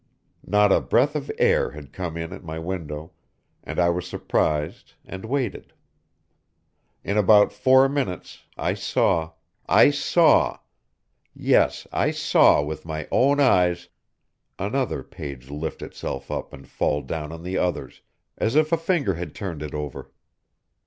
Not a breath of air had come in at my window, and I was surprised and waited. In about four minutes, I saw, I saw, yes I saw with my own eyes another page lift itself up and fall down on the others, as if a finger had turned it over.